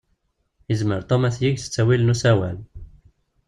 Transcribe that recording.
Yezmer Tom ad t-yeg s ttawil n usawal.